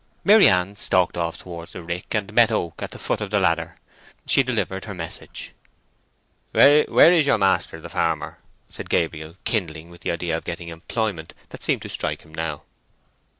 Maryann stalked off towards the rick and met Oak at the foot of the ladder. She delivered her message. "Where is your master the farmer?" asked Gabriel, kindling with the idea of getting employment that seemed to strike him now.